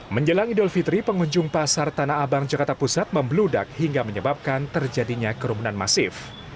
menjelang idul fitri pengunjung pasar tanah abang jakarta pusat membeludak hingga menyebabkan terjadinya kerumunan masif